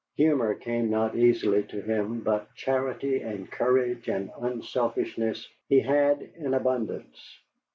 Humor came not easily to him, but charity and courage and unselfishness he had in abundance.